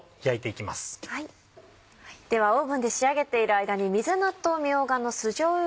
ではオーブンで仕上げている間に水菜とみょうがの酢じょうゆ